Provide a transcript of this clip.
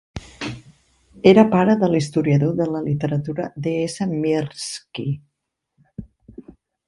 Era pare de l'historiador de la literatura D. S. Mirsky.